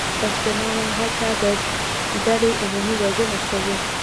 احتمالاً هلته د ډلې عمومی وژنه شوې وه.